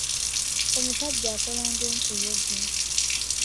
Omusajja akola ng'enkuyege.